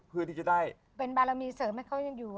เพื่อที่จะได้เป็นบารมีเสริมให้เขายังอยู่